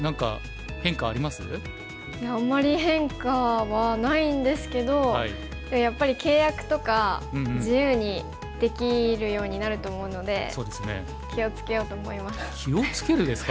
いやあんまり変化はないんですけどやっぱり契約とか自由にできるようになると思うので気を付けようと思います。